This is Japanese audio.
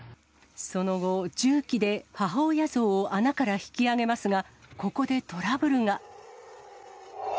その後、重機で母親ゾウを穴から引き上げますが、ここでトラブルが。